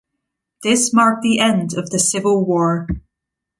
This marked the end of the civil war.